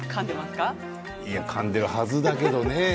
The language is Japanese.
かんでるはずだけどね。